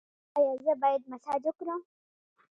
ایا زه باید مساج وکړم؟